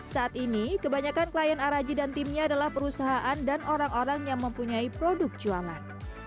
saat ini kebanyakan klien araji dan timnya adalah perusahaan dan orang orang yang mempunyai produk jualan